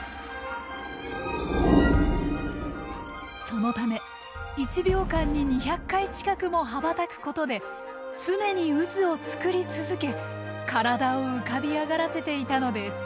そのため１秒間に２００回近くも羽ばたくことで常に渦を作り続け体を浮かび上がらせていたのです。